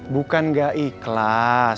bukan gak ikhlas